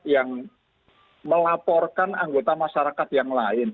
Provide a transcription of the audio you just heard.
yang melaporkan anggota masyarakat yang lain